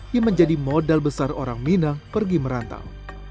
yang menjadi modal besar orang minang pergi merantau